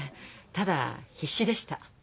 ただ必死でした。